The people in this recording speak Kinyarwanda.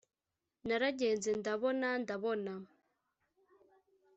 naragenze ndabona ndabona